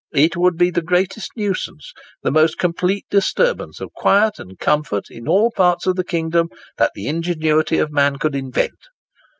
It would be the greatest nuisance, the most complete disturbance of quiet and comfort in all parts of the kingdom, that the ingenuity of man could invent!"